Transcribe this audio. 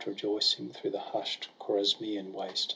Rejoicing, through the hush'd Chorasmian waste.